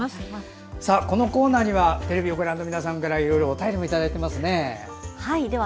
このコーナーにはテレビをご覧の皆さんからお便りもいただいていますね。